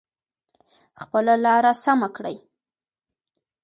خپله لاره سمه کړئ.